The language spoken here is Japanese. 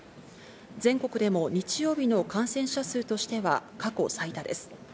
全国でも日曜日の感染者数としては過去最多です。